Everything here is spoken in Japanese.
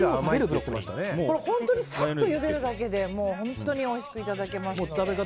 サッとゆでるだけで本当においしくいただけますので。